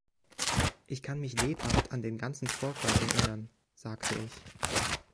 „Ich kann mich lebhaft an den ganzen Vorfall erinnern“, sagte ich.